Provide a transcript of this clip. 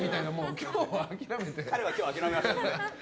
彼は今日、諦めました。